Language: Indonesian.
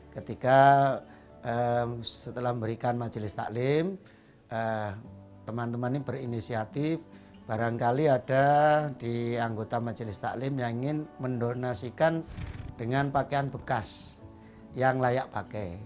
ketika setelah memberikan majelis taklim teman teman ini berinisiatif barangkali ada di anggota majelis taklim yang ingin mendonasikan dengan pakaian bekas yang layak pakai